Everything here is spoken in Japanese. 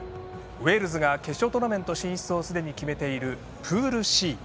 ウェールズが決勝トーナメント進出をすでに決めているプールＣ。